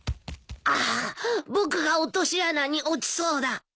ああ僕が落とし穴に落ちそうだ。